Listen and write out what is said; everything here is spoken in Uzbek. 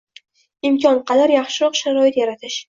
imkon qadar yaxshiroq sharoit yaratish.